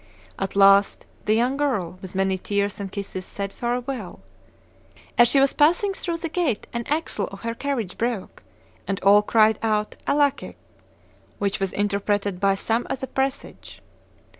At last the young girl, with many tears and kisses, said farewell. As she was passing through the gate an axle of her carriage broke, and all cried out alacic! which was interpreted by some as a presage.